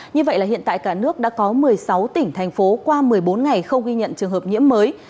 như vậy là hiện tại cả nước đã có một mươi sáu tỉnh thành phố qua một mươi bốn ngày không ghi nhận trường hợp nhiễm mới